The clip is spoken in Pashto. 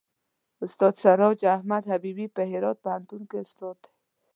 استاد سراج احمد حبیبي په هرات پوهنتون کې استاد دی.